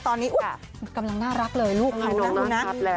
ตอนนี้อุ๊ยกำลังน่ารักเลยลูกคนน่ะคุณนัก